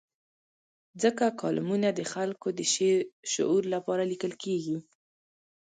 ځکه کالمونه د خلکو د شعور لپاره لیکل کېږي.